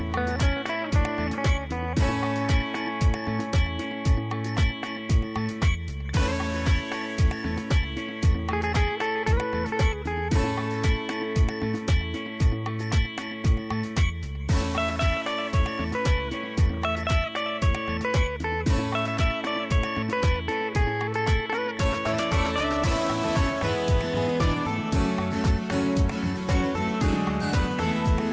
โปรดติดตามตอนต่อไป